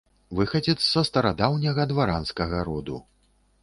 Выхадзец са старадаўняга дваранскага роду.